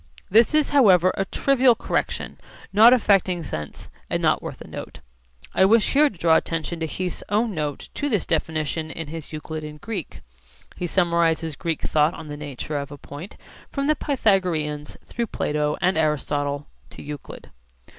This is however a trivial correction not affecting sense and not worth a note. I wish here to draw attention to Heath's own note to this definition in his Euclid in Greek. He summarises Greek thought on the nature of a point, from the Pythagoreans, through Plato and Aristotle, to Euclid.